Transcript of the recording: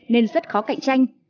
nên rất khó cạnh tranh